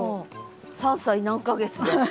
３歳何か月で。